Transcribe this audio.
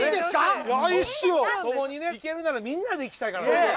行けるならみんなで行きたいからね。